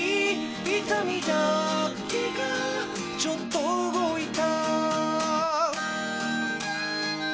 痛みだけがちょっと動いた